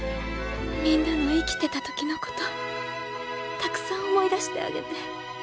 皆の生きてた時のことたくさん思い出してあげて。